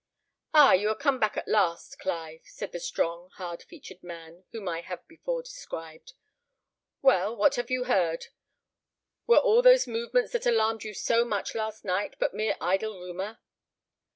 "Ah! you are come back at last, Clive," said the strong, hard featured man whom I have before described. "Well, what have you heard? Were all those movements that alarmed you so much last night but mere idle rumour?"